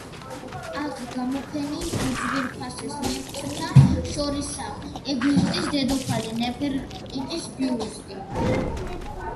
აქ გამოფენილ უძვირფასეს ნივთთა შორისაა ეგვიპტის დედოფალი ნეფერტიტის ბიუსტი.